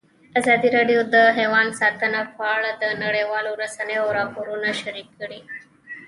ازادي راډیو د حیوان ساتنه په اړه د نړیوالو رسنیو راپورونه شریک کړي.